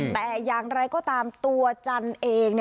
แต่อย่างไรก็ตามตัวจันเอง